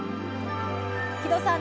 木戸さん